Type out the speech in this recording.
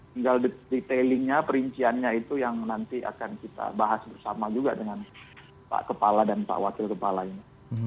tinggal detailingnya perinciannya itu yang nanti akan kita bahas bersama juga dengan pak kepala dan pak wakil kepala ini